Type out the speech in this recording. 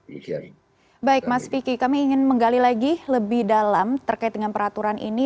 baik mas vicky kami ingin menggali lagi lebih dalam terkait dengan peraturan ini